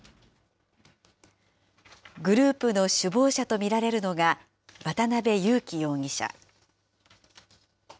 グループの首謀者と見られるのが渡邉優樹容疑者。